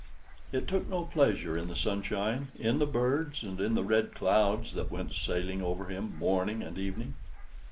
It took no pleasure in the sunshine, in the birds, and in the red clouds that went sailing over him morning and evening.